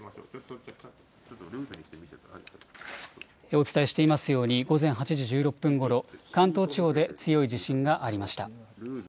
お伝えしていますように午前８時１６分ごろ関東地方で強い地震がありました。